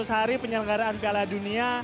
seratus hari penyelenggaraan piala dunia